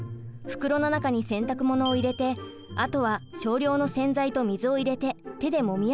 袋の中に洗濯物を入れてあとは少量の洗剤と水を入れて手でもみ洗い。